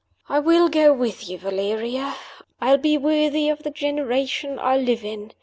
I'll go with you, Valeria; I'll be worthy of the generation I live in.